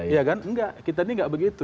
ya kan enggak kita ini enggak begitu